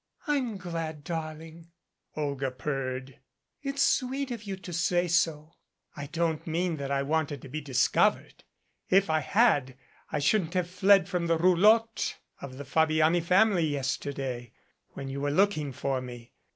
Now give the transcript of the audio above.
"I'm glad, darling," Olga purred. "It's sweet of you to say so." "I don't mean that I wanted to be discovered. If I had I shouldn't have fled from the roulotte of the Fabi ani family yesterday when you were looking for me.